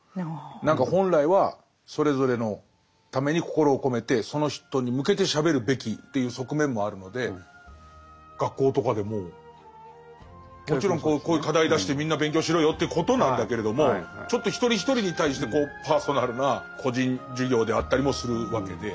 何か本来はそれぞれのために心を込めてその人に向けてしゃべるべきという側面もあるので学校とかでももちろんこういう課題出してみんな勉強しろよということなんだけれどもちょっと一人一人に対してパーソナルな個人授業であったりもするわけで。